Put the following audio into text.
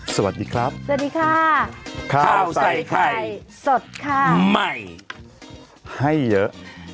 สวัสดีครับสวัสดีค่ะข้าวใส่ไข่สดค่ะใหม่ให้เยอะ